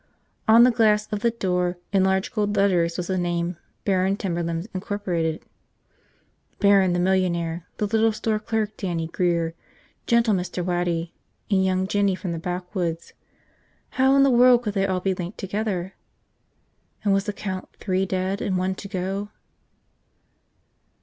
On the glass of the door in large gold letters was the name, "Barron Timberlands, Inc." Barron the millionaire, the little store clerk Dannie Grear, gentle Mr. Waddy, and young Jinny from the backwoods – how in the world could they all be linked together? And was the count three dead and one to go?